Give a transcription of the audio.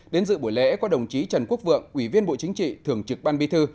đến dự buổi lễ có đồng chí trần quốc vượng ủy viên bộ chính trị thường trực ban bi thư